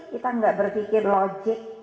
kita nggak berfikir logik